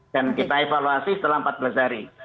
dan kita evaluasi setelah empat belas hari